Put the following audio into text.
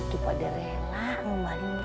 lo tuh pada rela ngumarin sepatu